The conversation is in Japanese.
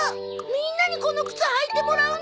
みんなにこの靴履いてもらうの？